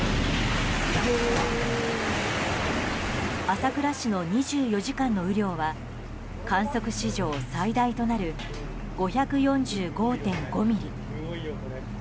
朝倉市の２４時間の雨量は観測史上最大となる５４５．５ミリ。